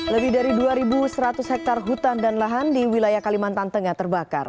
lebih dari dua seratus hektare hutan dan lahan di wilayah kalimantan tengah terbakar